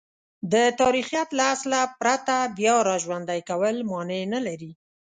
د تاریخیت له اصله پرته بیاراژوندی کول مانع نه لري.